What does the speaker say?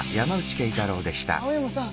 青山さん